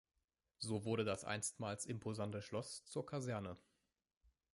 So wurde das einstmals imposante Schloss zur Kaserne.